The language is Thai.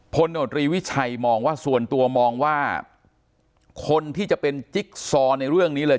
โนตรีวิชัยมองว่าส่วนตัวมองว่าคนที่จะเป็นจิ๊กซอในเรื่องนี้เลย